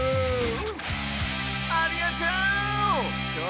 ありがとう！